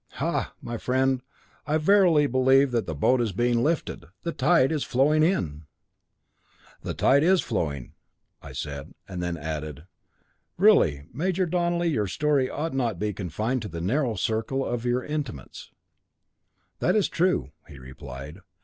Ha! my friend, I verily believe that the boat is being lifted. The tide is flowing in." "The tide is flowing," I said; and then added, "really, Major Donelly, your story ought not to be confined to the narrow circle of your intimates." "That is true," he replied.